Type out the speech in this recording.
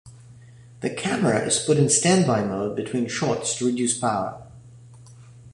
The camera is put in standby mode between shots to reduce power.